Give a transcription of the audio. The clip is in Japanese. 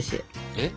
えっ？